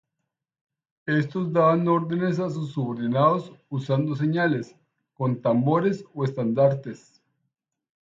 Estos daban órdenes a sus subordinados usando señales con tambores o estandartes.